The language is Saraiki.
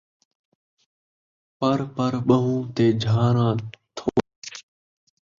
پَڑ پَڑ ٻہوں تے جھاڑا تھولا